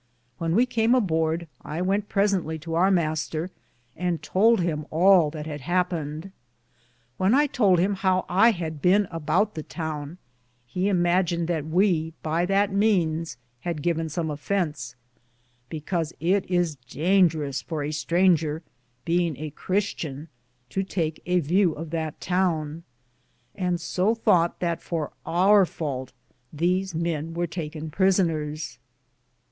When we came aborde, I wente presently to our Mr., and tould him all that had hapened. W^hen I tould him how I had bene aboute the towne, he Imagened that we by that meanes had given som offence ; because it is Daingerus for a stranger, beinge a Christian, to Take a vew of that towne, and so thoughte that for our faulte these men weare taken presoners.